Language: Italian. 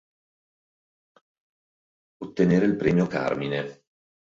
Ottenere il premio "Carmine".